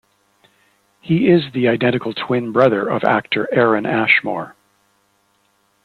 He is the identical twin brother of actor Aaron Ashmore.